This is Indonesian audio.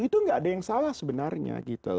itu nggak ada yang salah sebenarnya